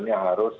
ya kalau untuk